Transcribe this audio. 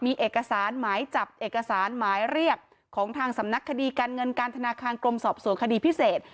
มีเอกสารหมายจับเอกสารหมายเรียกของทางสำนักคดีการเงินการธนาคารกรมสอบสวนคดีพิเศษ